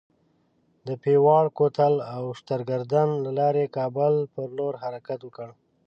د پیواړ کوتل او شترګردن له لارې کابل پر لور حرکت وکړ.